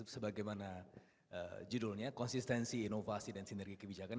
sebagaimana judulnya konsistensi inovasi dan sinergi kebijakan